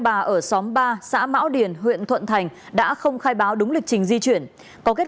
bà ở xóm ba xã mão điền huyện thuận thành đã không khai báo đúng lịch trình di chuyển có kết